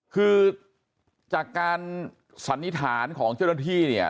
คือจากการสันนิษฐานของเจ้าหน้าที่เนี่ย